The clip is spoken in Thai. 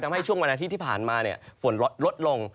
ทำให้ช่วงวันอาทิตย์ที่ผ่านมาเนี่ยฝนลดลดลง